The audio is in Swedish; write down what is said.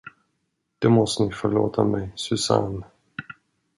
Det måste ni förlåta mig, Susanne!